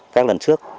các lần trước